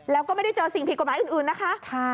แล้วก็ไม่ได้เจอสิ่งผิดกฎหมายอื่นนะคะ